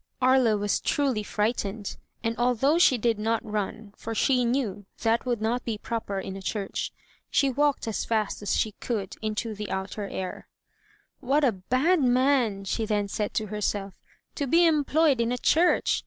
258 THE TREASURE CHEST Aria was truly frightened, and although she did not run — for she knew that would not be proper in a church — ^she walked as fast as she could into the outer air. "What a bad man/' she then said to herself, "to be employed in a church!